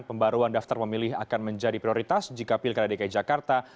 pembaruan daftar pemilih akan menjadi prioritas jika pilkada dki jakarta